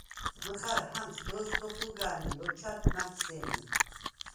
მჷხა̈რ ჰამს დოსდ ოხუგა̈ნდ ი ოჩვა̈დდ მა̈გ სემი.